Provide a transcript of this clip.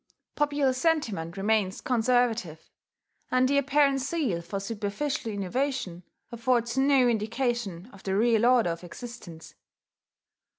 Popular sentiment remains conservative; and the apparent zeal for superficial innovation affords no indication of the real order of existence.